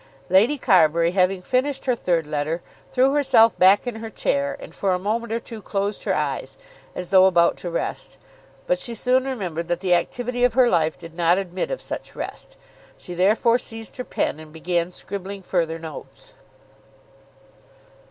Lady Carbury, having finished her third letter, threw herself back in her chair, and for a moment or two closed her eyes, as though about to rest. But she soon remembered that the activity of her life did not admit of such rest. She therefore seized her pen and began scribbling further notes.